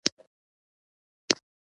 ژوندي د نورو بد نه زده کړه کوي